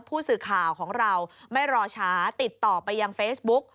ผู้สื่อข่าวของเราไม่รอช้าติดต่อไปยังเฟซบุ๊ก